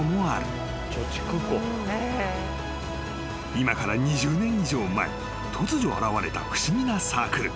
［今から２０年以上前］［突如現れた不思議なサークル］